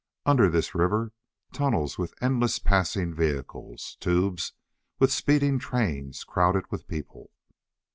Under this river, tunnels with endless passing vehicles! Tubes, with speeding trains crowded with people!